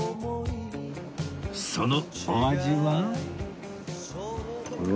そのお味は？